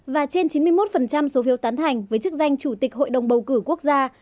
và trên chín mươi một số phiếu tán thành với chức danh chủ tịch hội đồng bầu cử quốc gia